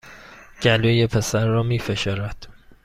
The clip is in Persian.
گلوی پسر را می فشارد